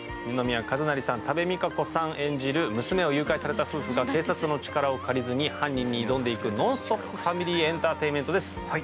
二宮和也、多部未華子さん演じる娘を誘拐された夫婦が警察の力を借りずに犯人に挑んでいく、ノンストップファミリーエンターテインメントです。